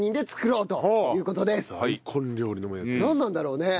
なんなんだろうね？